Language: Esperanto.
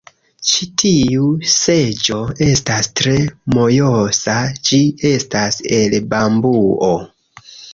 Ĉi tiu seĝo estas tre mojosa ĝi estas el bambuo